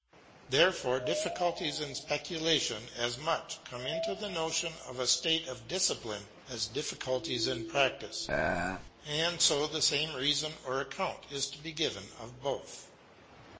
Therefore difficulties in speculation as much come into the notion of a state of discipline as difficulties in practice : and so the same reason or account is to be given of both.